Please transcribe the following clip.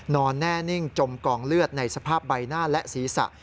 นอนแน่นิ่งจมกองเลือดในสภาพใบหน้าและศีรษะ